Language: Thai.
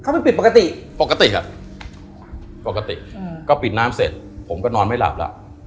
เขาไปปิดปกติปกติอ่ะปกติอืมก็ปิดน้ำเสร็จผมก็นอนไม่หลับแล้ว